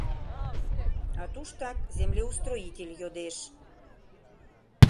А туштак землеустроитель йодеш.